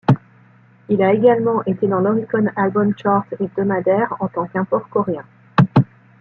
Il a également été dans l'Oricon Album Chart hebdomadaire en tant qu'import coréen.